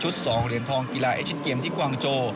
ชุดสองเหลี่ยนทองกีฬาเอชเกมน์ที่กวังโจ